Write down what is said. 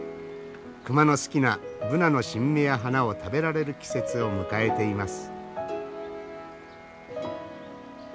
熊の好きなブナの新芽や花を食べられる季節を迎えています。